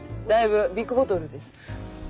だいぶビッグボトルです。